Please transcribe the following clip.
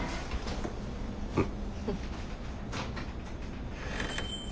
うん。